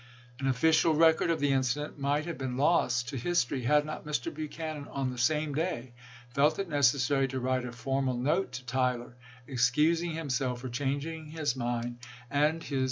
An official record of the incident might have been lost to history had not Mr. Buchanan on the same day felt it necessary to write a formal note to Tyler, excusing himself for changing his mind and his 152 ABEAHAM LINCOLN chap. x.